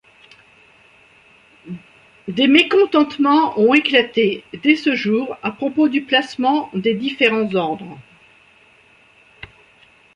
Des mécontentements ont éclaté dès ce jour à propos du placement des différents ordres.